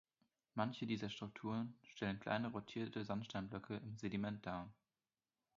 Manche dieser Strukturen stellen kleine rotierte Sandsteinblöcke im Sediment dar.